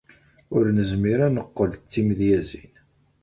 Ur nezmir ad neqqel d timedyazin.